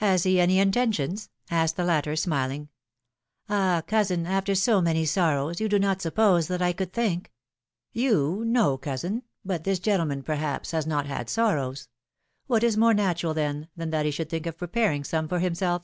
^^Has he any intentions?" asked the latter, smiling. ^^Ah ! cousin, after so many sorrows, you do not suppose that I could think —" ^^You! no, cousin; but this gentleman, perhaps, has not had sorrows; what is more natural, then, than that he should think of preparing some for himself?"